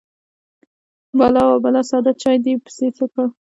_بلا ، وه بلا! ساده چاې دې پسې څه کړ؟